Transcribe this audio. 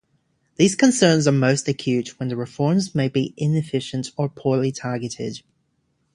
These concerns are most acute when the reforms may be inefficient or poorly targeted.